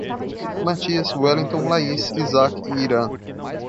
Matias, Wellington, Laís, Isac e Iran